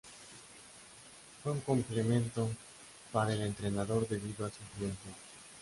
Fue un complemento para el entrenador debido a su juventud.